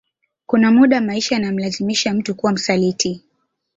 Kuna muda maisha yanamlazimisha mtu kuwa msaliti